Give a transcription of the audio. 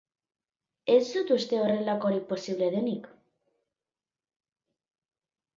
Ez dut uste horrelakorik posible denik.